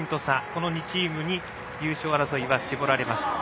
この２チームに優勝争いは絞られました。